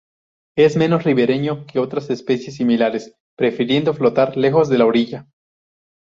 Es menos ribereño que otras especies similares, prefiriendo flotar lejos de la orilla.